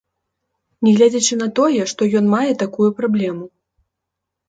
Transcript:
Нягледзячы на тое, што ён мае такую праблему.